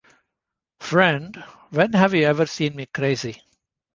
Friend, when have you ever seen me crazy?